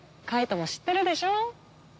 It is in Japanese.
介人も知ってるでしょ。